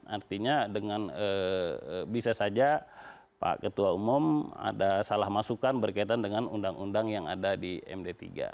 artinya dengan bisa saja pak ketua umum ada salah masukan berkaitan dengan undang undang yang ada di md tiga